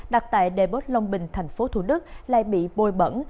đặt tại đề bốt long bình tp thủ đức lại bị bồi bẩn